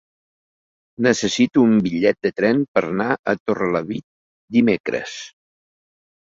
Necessito un bitllet de tren per anar a Torrelavit dimecres.